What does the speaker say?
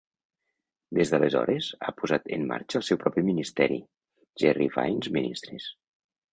Des d'aleshores ha posat en marxa el seu propi ministeri, Jerry Vines Ministries.